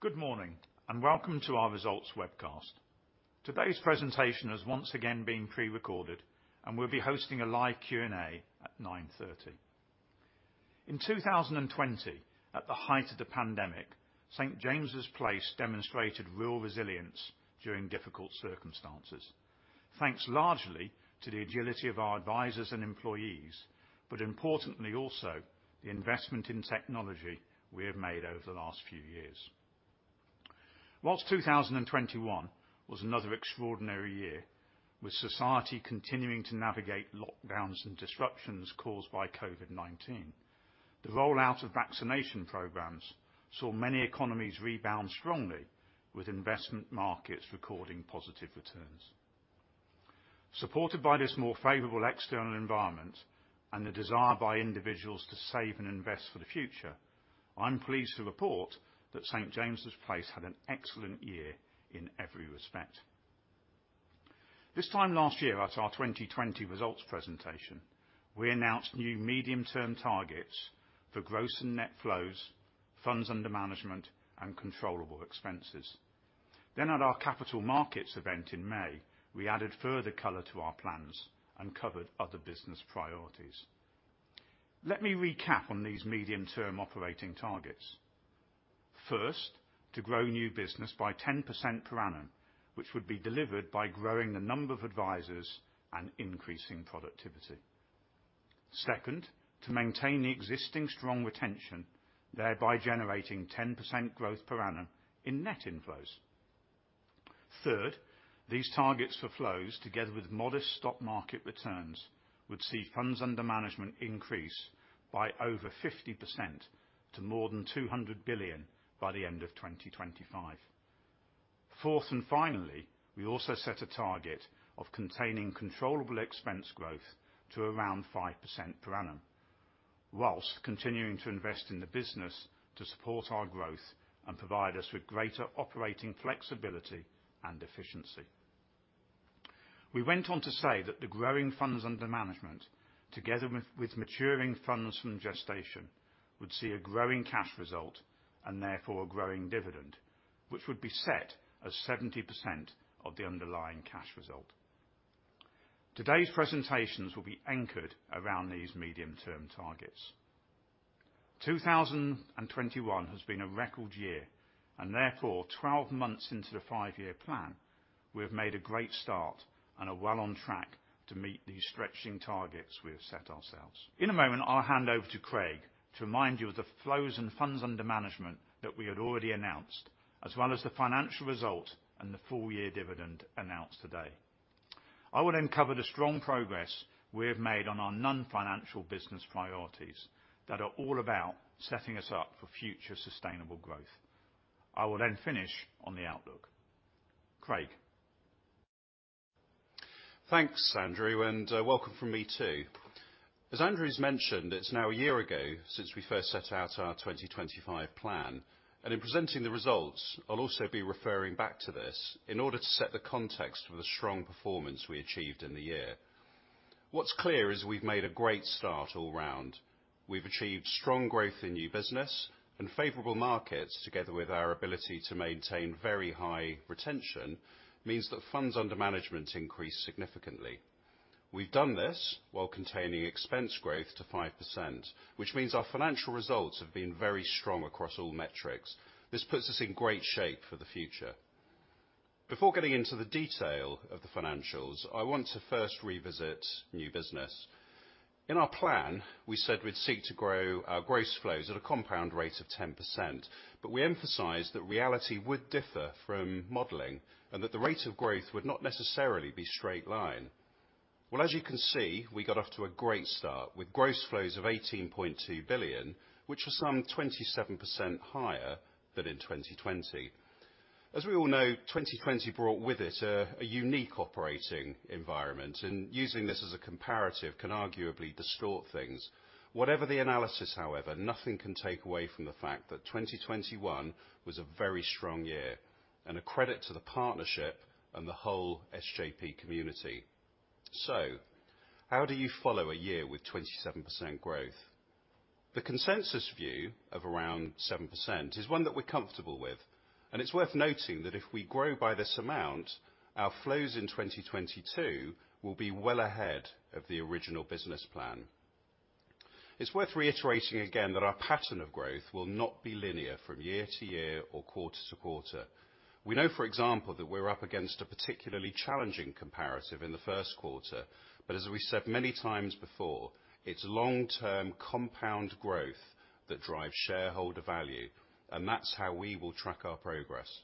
Good morning, and welcome to our results webcast. Today's presentation is once again being pre-recorded, and we'll be hosting a live Q&A at 9:30 A.M. In 2020, at the height of the pandemic, St. James's Place demonstrated real resilience during difficult circumstances. Thanks largely to the agility of our advisors and employees, but importantly also, the investment in technology we have made over the last few years. Whilst 2021 was another extraordinary year, with society continuing to navigate lockdowns and disruptions caused by COVID-19, the rollout of vaccination programs saw many economies rebound strongly with investment markets recording positive returns. Supported by this more favorable external environment and the desire by individuals to save and invest for the future, I'm pleased to report that St. James's Place had an excellent year in every respect. This time last year, at our 2020 results presentation, we announced new medium term targets for gross and net flows, funds under management, and controllable expenses. At our capital markets event in May, we added further color to our plans and covered other business priorities. Let me recap on these medium term operating targets. First, to grow new business by 10% per annum, which would be delivered by growing the number of advisors and increasing productivity. Second, to maintain the existing strong retention, thereby generating 10% growth per annum in net inflows. Third, these targets for flows together with modest stock market returns would see funds under management increase by over 50% to more than 200 billion by the end of 2025. Fourth and finally, we also set a target of containing controllable expense growth to around 5% per annum, while continuing to invest in the business to support our growth and provide us with greater operating flexibility and efficiency. We went on to say that the growing funds under management, together with maturing funds from gestation, would see a growing cash result and therefore a growing dividend, which would be set at 70% of the underlying cash result. Today's presentations will be anchored around these medium-term targets. 2021 has been a record year, and therefore, 12 months into the 5-year plan, we have made a great start and are well on track to meet these stretching targets we have set ourselves. In a moment, I'll hand over to Craig to remind you of the flows and funds under management that we had already announced, as well as the financial result and the full year dividend announced today. I will then cover the strong progress we have made on our non-financial business priorities that are all about setting us up for future sustainable growth. I will then finish on the outlook. Craig? Thanks, Andrew, and welcome from me too. As Andrew's mentioned, it's now a year ago since we first set out our 2025 plan. In presenting the results, I'll also be referring back to this in order to set the context for the strong performance we achieved in the year. What's clear is we've made a great start all round. We've achieved strong growth in new business and favorable markets together with our ability to maintain very high retention means that funds under management increased significantly. We've done this while containing expense growth to 5%, which means our financial results have been very strong across all metrics. This puts us in great shape for the future. Before getting into the detail of the financials, I want to first revisit new business. In our plan, we said we'd seek to grow our gross flows at a compound rate of 10%, but we emphasized that reality would differ from modeling and that the rate of growth would not necessarily be straight line. Well, as you can see, we got off to a great start with gross flows of 18.2 billion, which was some 27% higher than in 2020. As we all know, 2020 brought with it a unique operating environment, and using this as a comparative can arguably distort things. Whatever the analysis, however, nothing can take away from the fact that 2021 was a very strong year and a credit to the partnership and the whole SJP community. How do you follow a year with 27% growth? The consensus view of around 7% is one that we're comfortable with, and it's worth noting that if we grow by this amount, our flows in 2022 will be well ahead of the original business plan. It's worth reiterating again that our pattern of growth will not be linear from year to year or quarter to quarter. We know, for example, that we're up against a particularly challenging comparative in the first quarter. As we said many times before, it's long-term compound growth that drives shareholder value, and that's how we will track our progress.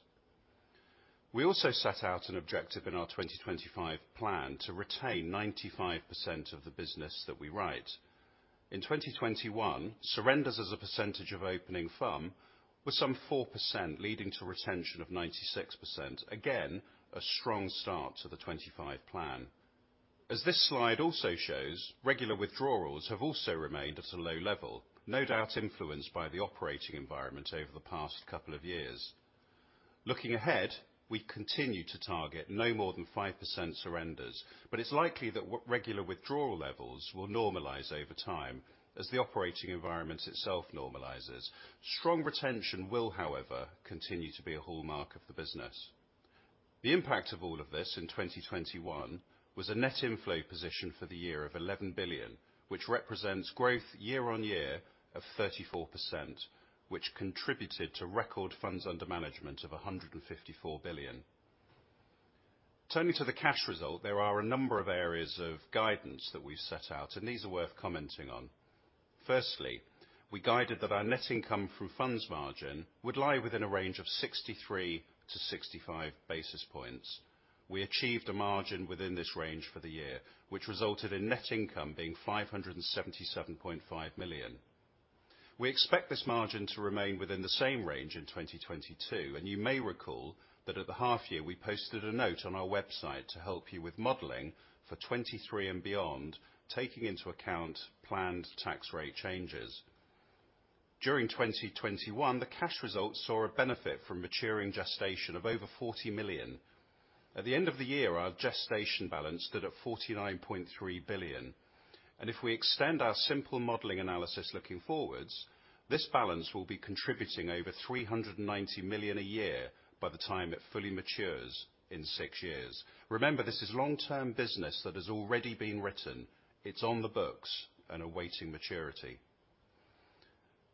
We also set out an objective in our 2025 plan to retain 95% of the business that we write. In 2021, surrenders as a percentage of opening firm were some 4%, leading to retention of 96%. Again, a strong start to the 2025 plan. As this slide also shows, regular withdrawals have also remained at a low level, no doubt influenced by the operating environment over the past couple of years. Looking ahead, we continue to target no more than 5% surrenders, but it's likely that regular withdrawal levels will normalize over time as the operating environment itself normalizes. Strong retention will, however, continue to be a hallmark of the business. The impact of all of this in 2021 was a net inflow position for the year of 11 billion, which represents growth year-over-year of 34%, which contributed to record funds under management of 154 billion. Turning to the cash result, there are a number of areas of guidance that we set out and these are worth commenting on. Firstly, we guided that our net income through funds margin would lie within a range of 63-65 basis points. We achieved a margin within this range for the year, which resulted in net income being 577.5 million. We expect this margin to remain within the same range in 2022, and you may recall that at the half year we posted a note on our website to help you with modeling for 2023 and beyond, taking into account planned tax rate changes. During 2021, the cash results saw a benefit from maturing gestation of over 40 million. At the end of the year, our gestation balance stood at 49.3 billion. If we extend our simple modeling analysis looking forwards, this balance will be contributing over 390 million a year by the time it fully matures in 6 years. Remember, this is long-term business that has already been written. It's on the books and awaiting maturity.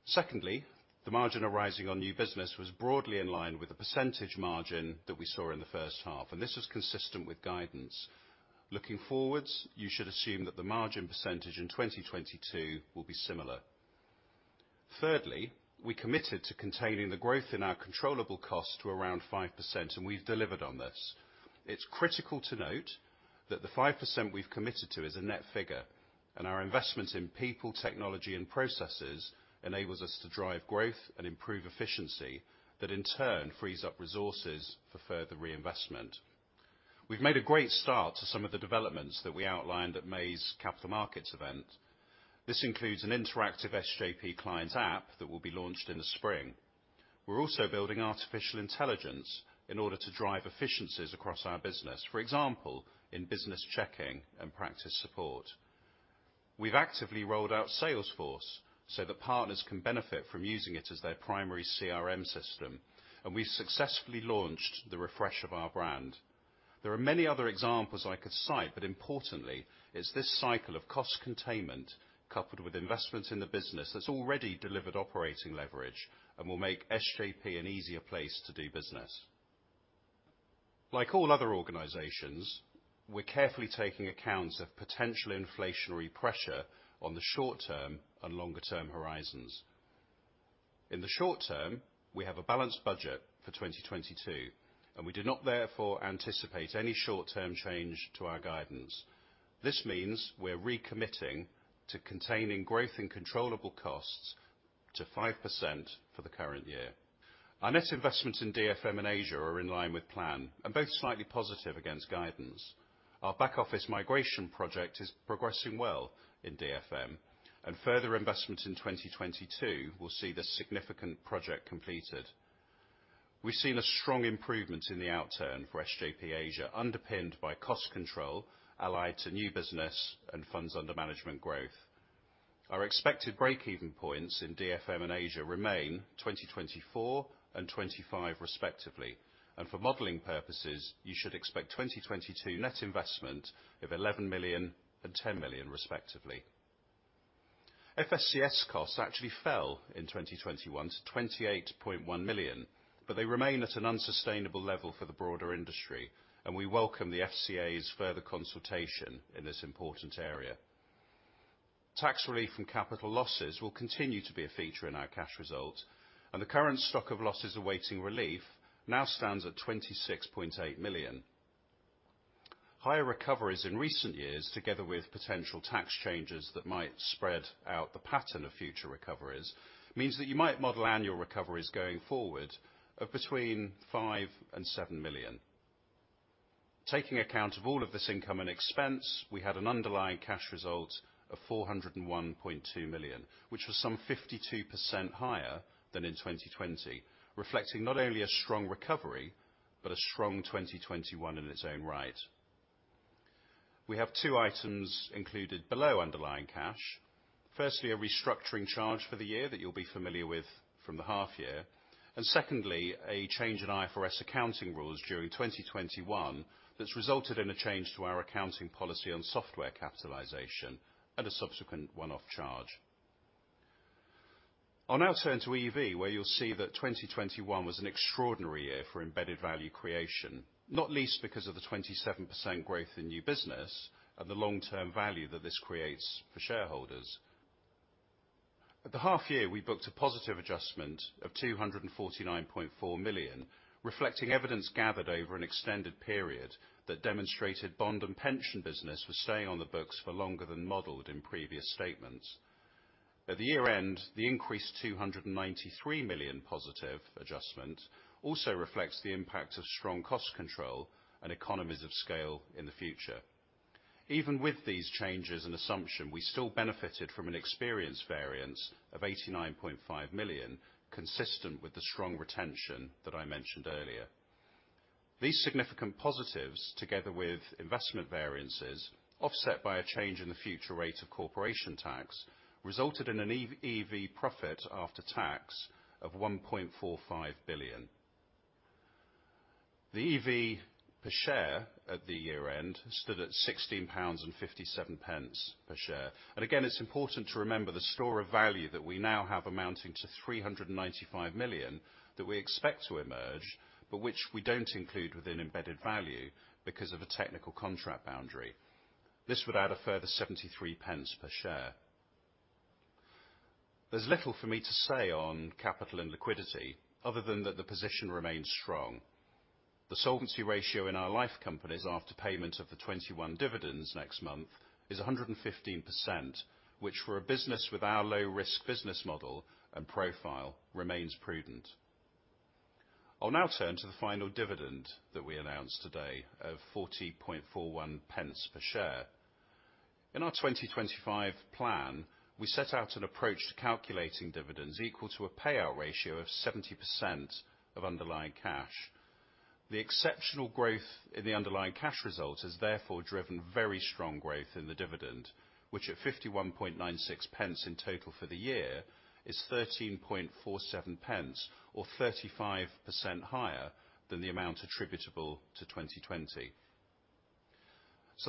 Secondly, the margin arising on new business was broadly in line with the percentage margin that we saw in the first half, and this was consistent with guidance. Looking forwards, you should assume that the margin percentage in 2022 will be similar. Thirdly, we committed to containing the growth in our controllable costs to around 5%, and we've delivered on this. It's critical to note that the 5% we've committed to is a net figure, and our investments in people, technology and processes enables us to drive growth and improve efficiency that in turn frees up resources for further reinvestment. We've made a great start to some of the developments that we outlined at May's Capital Markets Event. This includes an interactive SJP clients app that will be launched in the spring. We're also building artificial intelligence in order to drive efficiencies across our business, for example, in business checking and practice support. We've actively rolled out Salesforce so that partners can benefit from using it as their primary CRM system, and we successfully launched the refresh of our brand. There are many other examples I could cite, but importantly, it's this cycle of cost containment coupled with investments in the business that's already delivered operating leverage and will make SJP an easier place to do business. Like all other organizations, we're carefully taking accounts of potential inflationary pressure on the short-term and longer-term horizons. In the short term, we have a balanced budget for 2022, and we do not therefore anticipate any short-term change to our guidance. This means we're recommitting to containing growth and controllable costs to 5% for the current year. Our net investments in DFM and Asia are in line with plan, and both slightly positive against guidance. Our back office migration project is progressing well in DFM, and further investment in 2022 will see the significant project completed. We've seen a strong improvement in the outturn for SJP Asia, underpinned by cost control, allied to new business and funds under management growth. Our expected break-even points in DFM and Asia remain 2024 and 25 respectively, and for modeling purposes, you should expect 2022 net investment of 11 million and 10 million respectively. FSCS costs actually fell in 2021 to 28.1 million, but they remain at an unsustainable level for the broader industry, and we welcome the FCA's further consultation in this important area. Tax relief from capital losses will continue to be a feature in our cash results, and the current stock of losses awaiting relief now stands at 26.8 million. Higher recoveries in recent years, together with potential tax changes that might spread out the pattern of future recoveries, means that you might model annual recoveries going forward of between 5 million and 7 million. Taking account of all of this income and expense, we had an underlying cash result of 401.2 million, which was some 52% higher than in 2020, reflecting not only a strong recovery, but a strong 2021 in its own right. We have two items included below underlying cash. Firstly, a restructuring charge for the year that you'll be familiar with from the half year. Secondly, a change in IFRS accounting rules during 2021 that's resulted in a change to our accounting policy on software capitalization and a subsequent one-off charge. I'll now turn to EEV, where you'll see that 2021 was an extraordinary year for embedded value creation, not least because of the 27% growth in new business and the long-term value that this creates for shareholders. At the half year, we booked a positive adjustment of 249.4 million, reflecting evidence gathered over an extended period that demonstrated bond and pension business was staying on the books for longer than modeled in previous statements. At the year-end, the increased 293 million positive adjustment also reflects the impact of strong cost control and economies of scale in the future. Even with these changes and assumptions, we still benefited from an experience variance of 89.5 million, consistent with the strong retention that I mentioned earlier. These significant positives, together with investment variances, offset by a change in the future rate of corporation tax, resulted in an EV profit after tax of 1.45 billion. The EV per share at the year-end stood at GBP 16.57 per share. Again, it's important to remember the store of value that we now have amounting to 395 million that we expect to emerge, but which we don't include within embedded value because of a technical contract boundary. This would add a further 0.73 per share. There's little for me to say on capital and liquidity other than that the position remains strong. The solvency ratio in our life companies after payment of the 21 dividends next month is 115%, which for a business with our low-risk business model and profile remains prudent. I'll now turn to the final dividend that we announced today of 0.4041 per share. In our 2025 plan, we set out an approach to calculating dividends equal to a payout ratio of 70% of underlying cash. The exceptional growth in the underlying cash result has therefore driven very strong growth in the dividend, which at 0.5196 in total for the year is 0.1347 or 35% higher than the amount attributable to 2020.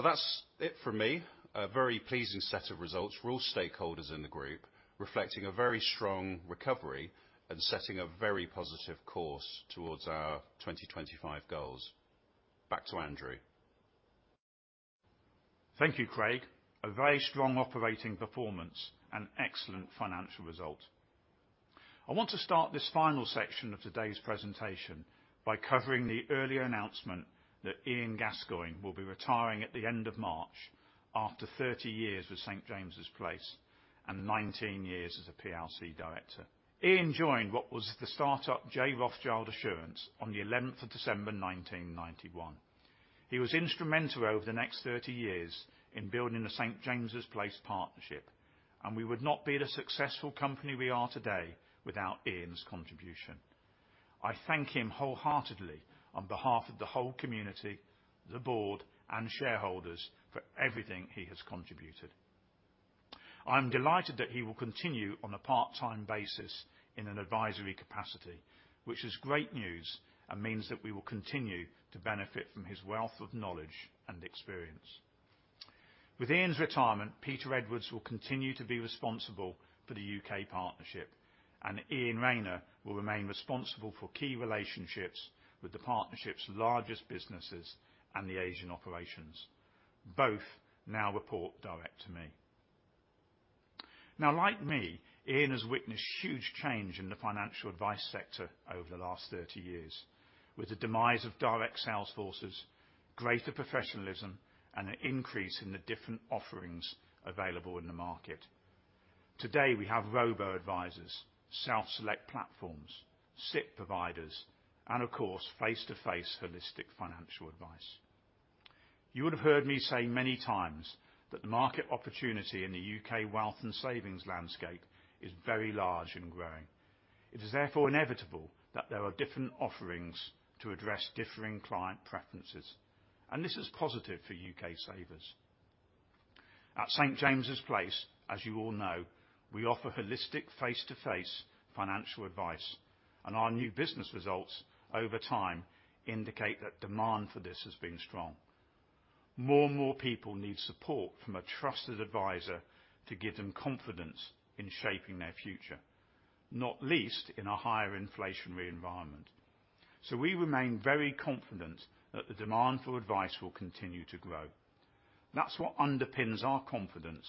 That's it for me. A very pleasing set of results for all stakeholders in the group, reflecting a very strong recovery and setting a very positive course towards our 2025 goals. Back to Andrew. Thank you, Craig. A very strong operating performance and excellent financial result. I want to start this final section of today's presentation by covering the earlier announcement that Ian Gascoigne will be retiring at the end of March after 30 years with St. James's Place and 19 years as a PLC director. Ian joined what was the startup J. Rothschild Assurance on the 11th of December 1991. He was instrumental over the next 30 years in building the St. James's Place partnership, and we would not be the successful company we are today without Ian's contribution. I thank him wholeheartedly on behalf of the whole community, the board, and shareholders for everything he has contributed. I'm delighted that he will continue on a part-time basis in an advisory capacity, which is great news and means that we will continue to benefit from his wealth of knowledge and experience. With Ian's retirement, Peter Edwards will continue to be responsible for the U.K. partnership, and Iain Rayner will remain responsible for key relationships with the partnership's largest businesses and the Asian operations. Both now report direct to me. Now, like me, Ian has witnessed huge change in the financial advice sector over the last 30 years with the demise of direct sales forces, greater professionalism, and an increase in the different offerings available in the market. Today, we have robo-advisors, self-select platforms, SIPP providers, and of course, face-to-face holistic financial advice. You would have heard me say many times that the market opportunity in the U.K. wealth and savings landscape is very large and growing. It is therefore inevitable that there are different offerings to address differing client preferences, and this is positive for U.K. savers. At St. James's Place, as you all know, we offer holistic face-to-face financial advice, and our new business results over time indicate that demand for this has been strong. More and more people need support from a trusted advisor to give them confidence in shaping their future, not least in a higher inflationary environment. We remain very confident that the demand for advice will continue to grow. That's what underpins our confidence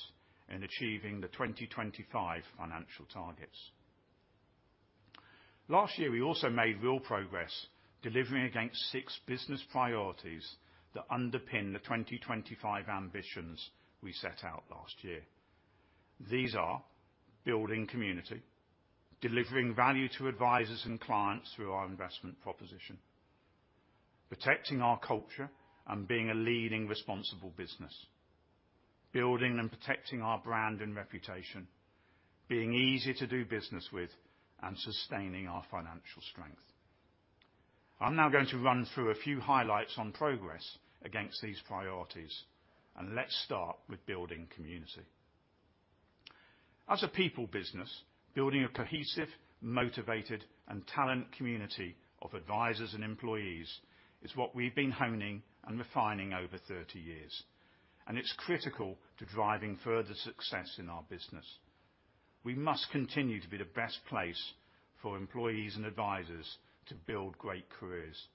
in achieving the 2025 financial targets. Last year, we also made real progress delivering against six business priorities that underpin the 2025 ambitions we set out last year. These are building community, delivering value to advisors and clients through our investment proposition, protecting our culture and being a leading responsible business, building and protecting our brand and reputation, being easy to do business with, and sustaining our financial strength. I'm now going to run through a few highlights on progress against these priorities, and let's start with building community. As a people business, building a cohesive, motivated, and talent community of advisors and employees is what we've been honing and refining over 30 years, and it's critical to driving further success in our business. We must continue to be the best place for employees and advisors to build great careers.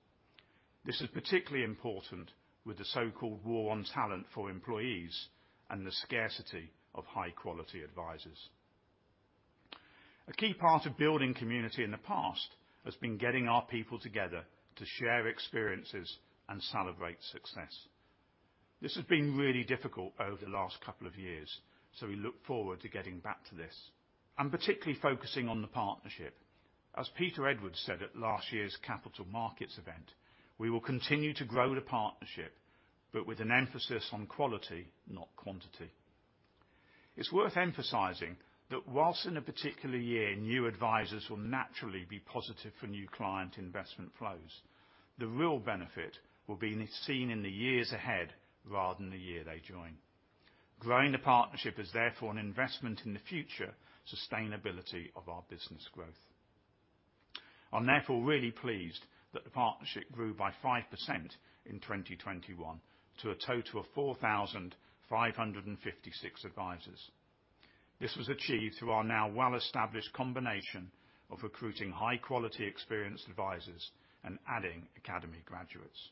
This is particularly important with the so-called war on talent for employees and the scarcity of high-quality advisors. A key part of building community in the past has been getting our people together to share experiences and celebrate success. This has been really difficult over the last couple of years, so we look forward to getting back to this. I'm particularly focusing on the partnership. As Peter Edwards said at last year's Capital Markets event, we will continue to grow the partnership, but with an emphasis on quality, not quantity. It's worth emphasizing that while in a particular year, new advisors will naturally be positive for new client investment flows, the real benefit will be seen in the years ahead rather than the year they join. Growing the partnership is therefore an investment in the future sustainability of our business growth. I'm therefore really pleased that the partnership grew by 5% in 2021 to a total of 4,556 advisors. This was achieved through our now well-established combination of recruiting high-quality experienced advisors and adding academy graduates.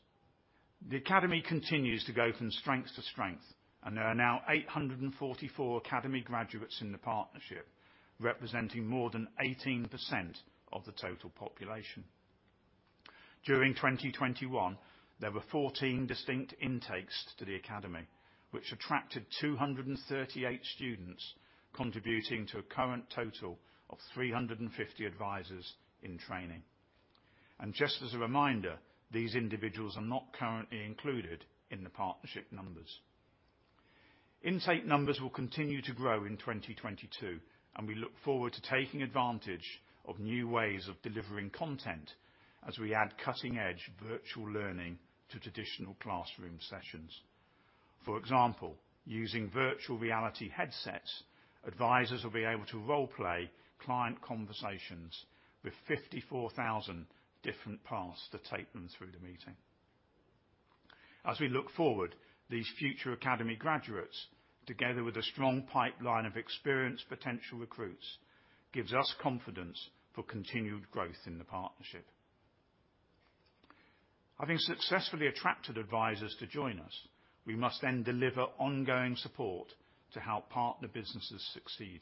The academy continues to go from strength to strength, and there are now 844 academy graduates in the partnership, representing more than 18% of the total population. During 2021, there were 14 distinct intakes to the academy, which attracted 238 students, contributing to a current total of 350 advisors in training. Just as a reminder, these individuals are not currently included in the partnership numbers. Intake numbers will continue to grow in 2022, and we look forward to taking advantage of new ways of delivering content as we add cutting-edge virtual learning to traditional classroom sessions. For example, using virtual reality headsets, advisors will be able to role-play client conversations with 54,000 different paths that take them through the meeting. As we look forward, these future academy graduates, together with a strong pipeline of experienced potential recruits, gives us confidence for continued growth in the partnership. Having successfully attracted advisors to join us, we must then deliver ongoing support to help partner businesses succeed.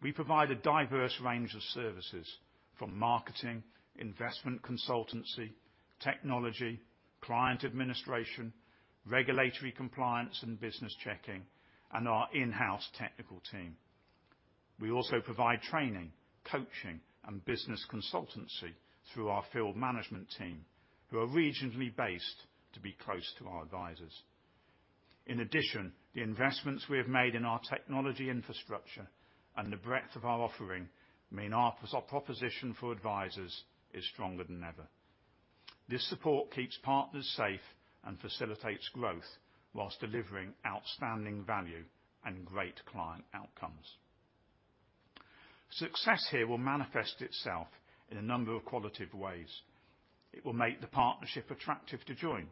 We provide a diverse range of services, from marketing, investment consultancy, technology, client administration, regulatory compliance and business checking, and our in-house technical team. We also provide training, coaching, and business consultancy through our field management team, who are regionally based to be close to our advisors. In addition, the investments we have made in our technology infrastructure and the breadth of our offering mean our proposition for advisors is stronger than ever. This support keeps partners safe and facilitates growth while delivering outstanding value and great client outcomes. Success here will manifest itself in a number of qualitative ways. It will make the partnership attractive to join.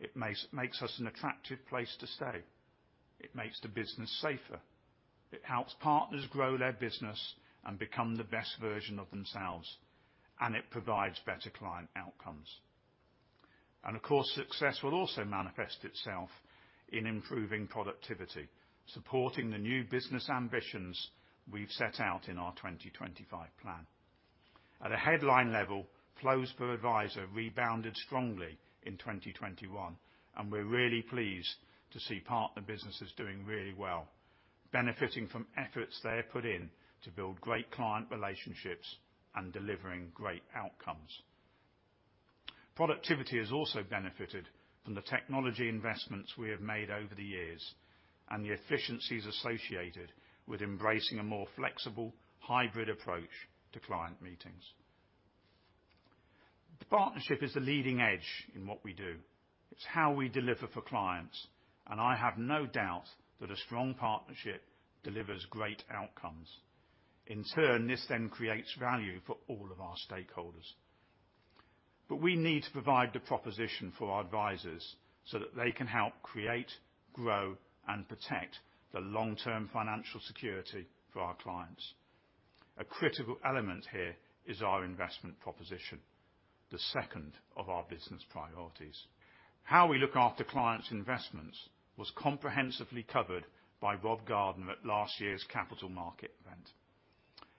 It makes us an attractive place to stay. It makes the business safer. It helps partners grow their business and become the best version of themselves, and it provides better client outcomes. Of course, success will also manifest itself in improving productivity, supporting the new business ambitions we've set out in our 2025 plan. At a headline level, flows per advisor rebounded strongly in 2021, and we're really pleased to see partner businesses doing really well, benefiting from efforts they have put in to build great client relationships and delivering great outcomes. Productivity has also benefited from the technology investments we have made over the years and the efficiencies associated with embracing a more flexible hybrid approach to client meetings. The partnership is the leading edge in what we do. It's how we deliver for clients, and I have no doubt that a strong partnership delivers great outcomes. In turn, this then creates value for all of our stakeholders. We need to provide the proposition for our advisors so that they can help create, grow, and protect the long-term financial security for our clients. A critical element here is our investment proposition, the second of our business priorities. How we look after clients' investments was comprehensively covered by Rob Gardner at last year's Capital Market event.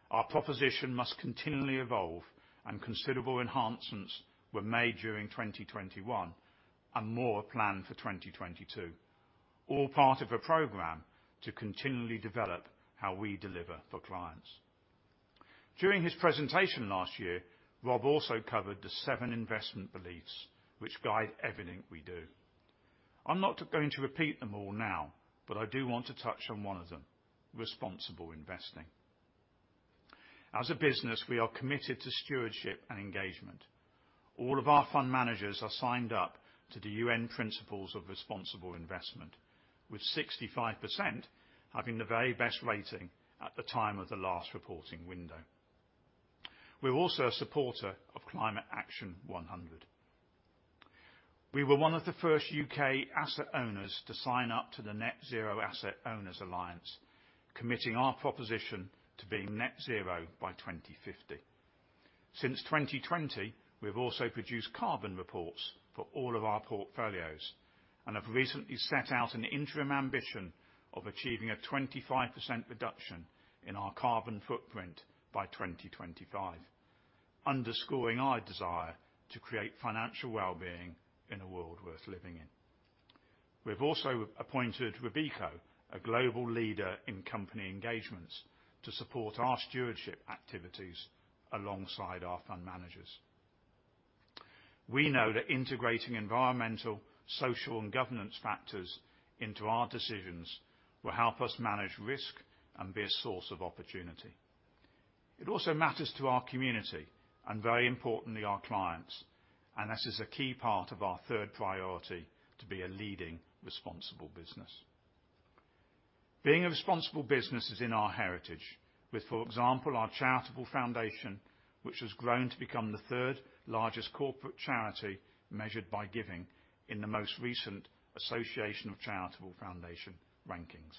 Our proposition must continually evolve, and considerable enhancements were made during 2021, and more are planned for 2022, all part of a program to continually develop how we deliver for clients. During his presentation last year, Rob also covered the seven investment beliefs which guide everything we do. I'm not going to repeat them all now, but I do want to touch on one of them, responsible investing. As a business, we are committed to stewardship and engagement. All of our fund managers are signed up to the UN Principles for Responsible Investment, with 65% having the very best rating at the time of the last reporting window. We're also a supporter of Climate Action 100+. We were one of the first U.K. asset owners to sign up to the Net-Zero Asset Owner Alliance, committing our proposition to being net zero by 2050. Since 2020, we've also produced carbon reports for all of our portfolios and have recently set out an interim ambition of achieving a 25% reduction in our carbon footprint by 2025, underscoring our desire to create financial well-being in a world worth living in. We've also appointed Robeco, a global leader in company engagements, to support our stewardship activities alongside our fund managers. We know that integrating environmental, social, and governance factors into our decisions will help us manage risk and be a source of opportunity. It also matters to our community and, very importantly, our clients, and this is a key part of our third priority to be a leading responsible business. Being a responsible business is in our heritage with, for example, our charitable foundation, which has grown to become the third largest corporate charity measured by giving in the most recent Association of Charitable Foundations rankings.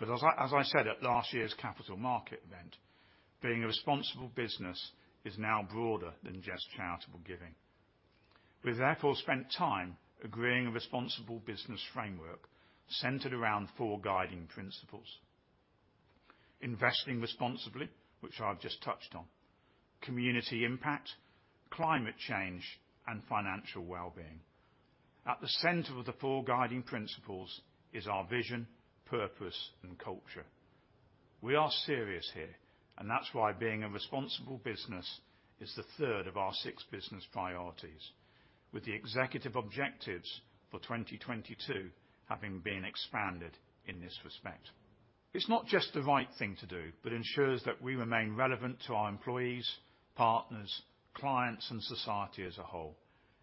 As I said at last year's capital market event, being a responsible business is now broader than just charitable giving. We've therefore spent time agreeing a responsible business framework centered around four guiding principles, investing responsibly, which I've just touched on, community impact, climate change, and financial wellbeing. At the center of the four guiding principles is our vision, purpose, and culture. We are serious here, and that's why being a responsible business is the third of our six business priorities, with the executive objectives for 2022 having been expanded in this respect. It's not just the right thing to do, but ensures that we remain relevant to our employees, partners, clients, and society as a whole.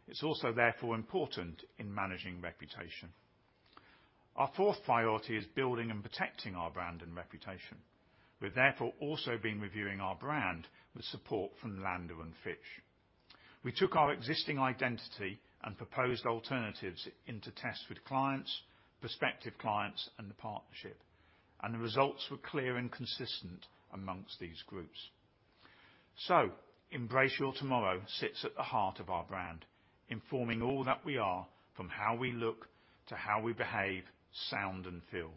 It's also therefore important in managing reputation. Our fourth priority is building and protecting our brand and reputation. We've therefore also been reviewing our brand with support from Landor & Fitch. We took our existing identity and proposed alternatives into testing with clients, prospective clients, and the partnership, and the results were clear and consistent among these groups. Embrace Your Tomorrow sits at the heart of our brand, informing all that we are, from how we look to how we behave, sound, and feel.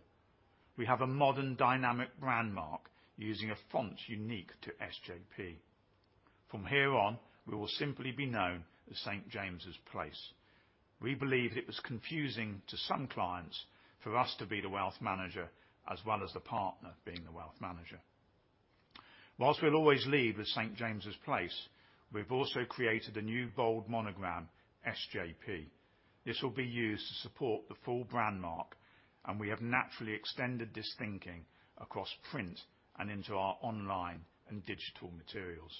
We have a modern, dynamic brand mark using a font unique to SJP. From here on, we will simply be known as St. James's Place. We believe it was confusing to some clients for us to be the wealth manager as well as the partner being the wealth manager. Whilst we'll always lead with St. James's Place, we've also created a new bold monogram, SJP. This will be used to support the full brand mark, and we have naturally extended this thinking across print and into our online and digital materials.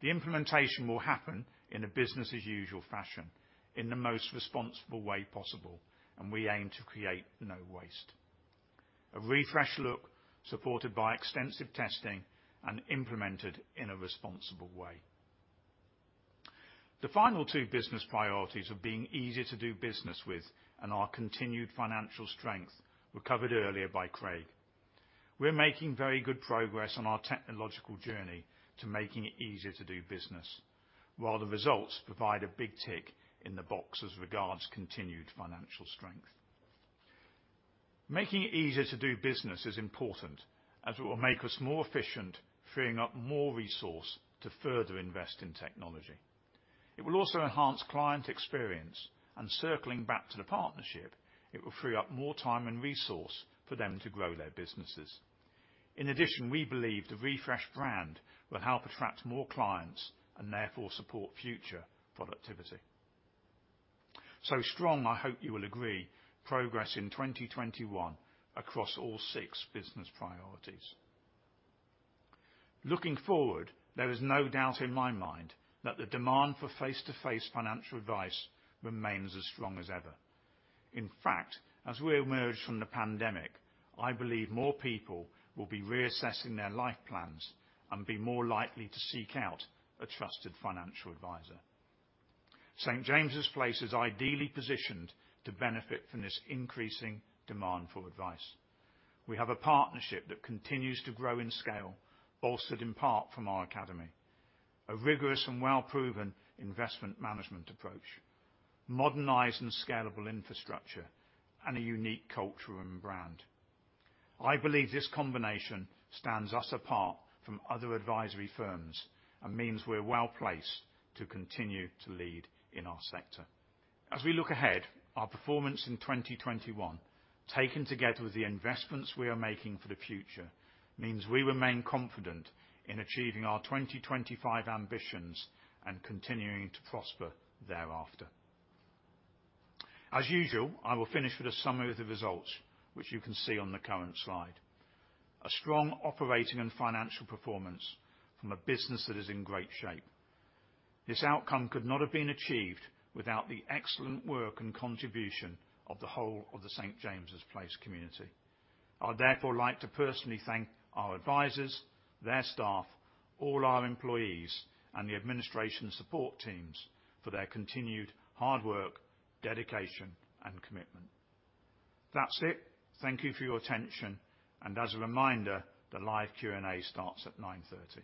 The implementation will happen in a business as usual fashion, in the most responsible way possible, and we aim to create no waste. A refreshed look supported by extensive testing and implemented in a responsible way. The final two business priorities of being easier to do business with and our continued financial strength were covered earlier by Craig. We're making very good progress on our technological journey to making it easier to do business, while the results provide a big tick in the box as regards continued financial strength. Making it easier to do business is important, as it will make us more efficient, freeing up more resource to further invest in technology. It will also enhance client experience, and circling back to the partnership, it will free up more time and resource for them to grow their businesses. In addition, we believe the refreshed brand will help attract more clients and therefore support future productivity. Strong, I hope you will agree, progress in 2021 across all six business priorities. Looking forward, there is no doubt in my mind that the demand for face-to-face financial advice remains as strong as ever. In fact, as we emerge from the pandemic, I believe more people will be reassessing their life plans and be more likely to seek out a trusted financial advisor. St. James's Place is ideally positioned to benefit from this increasing demand for advice. We have a partnership that continues to grow in scale, bolstered in part from our academy, a rigorous and well-proven investment management approach, modernized and scalable infrastructure, and a unique culture and brand. I believe this combination stands us apart from other advisory firms and means we're well placed to continue to lead in our sector. As we look ahead, our performance in 2021, taken together with the investments we are making for the future, means we remain confident in achieving our 2025 ambitions and continuing to prosper thereafter. As usual, I will finish with a summary of the results, which you can see on the current slide. A strong operating and financial performance from a business that is in great shape. This outcome could not have been achieved without the excellent work and contribution of the whole of the St. James's Place community. I'd therefore like to personally thank our advisors, their staff, all our employees, and the administration support teams for their continued hard work, dedication, and commitment. That's it. Thank you for your attention, and as a reminder, the live Q&A starts at 9:30 A.M.